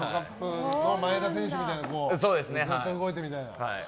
前田選手みたいなずっと動いてみたいな。